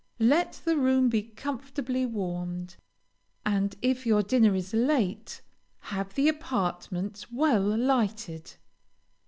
Let the room be comfortably warmed, and if your dinner is late, have the apartments well lighted.